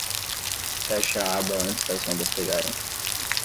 Feche a aba antes das ondas pegarem.